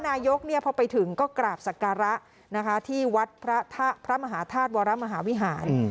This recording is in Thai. นายกพอไปถึงก็กราบสักการะที่วัดพระมหาธาตุวรมหาวิหาร